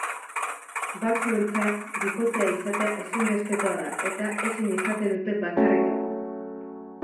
Batzuentzat bikotea izatea ezinbestekoa da eta ezin izaten dute bakarrik egon.